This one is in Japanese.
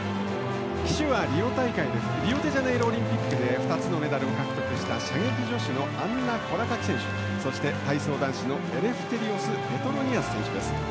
旗手はリオデジャネイロオリンピックで２つのメダルを獲得した射撃女子のアンナ・コラカキ選手そして、体操男子のエレフテリオス・ペトロニアス選手です。